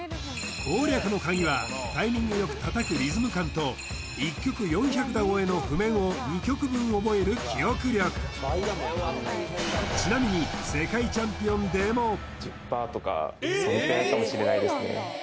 攻略のカギはタイミングよく叩くリズム感と１曲４００打超えの譜面を２曲分覚える記憶力ちなみに１０パーとかそのくらいかもしれないですね